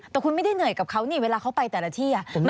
แต่คุณไม่ได้เหนื่อยกับเขานี่เวลาเขาไปแต่ละที่